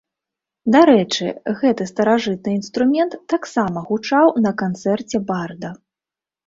Дарэчы, гэты старажытны інструмент таксама гучаў на канцэрце барда.